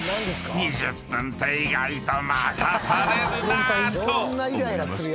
［「２０分って意外と待たされるな」と思いましたよね？］